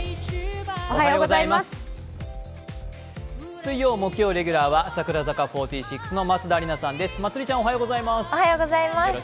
水曜、木曜レギュラーは櫻坂４６の松田里奈さんです。